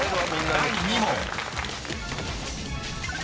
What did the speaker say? ［第２問］